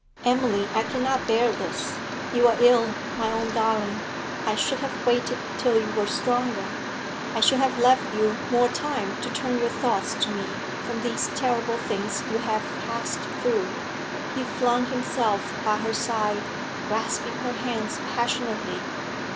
'Emily, I cannot bear this! You are ill, my own darling; I should have waited till you were stronger. I should have left you more time to turn your thoughts to me from these terrible things you have passed through.' He flung himself by her side, grasping her hands passionately.